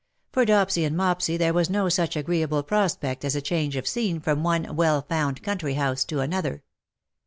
For Dopsy and Mopsy there was no such agree able prospect as a change of scene from one " well found" country house to another.